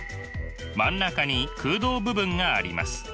真ん中に空洞部分があります。